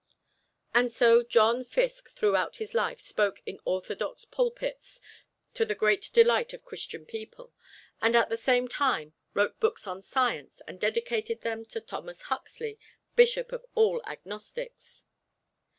And so John Fiske throughout his life spoke in orthodox pulpits to the great delight of Christian people, and at the same time wrote books on science and dedicated them to Thomas Huxley, Bishop of all Agnostics.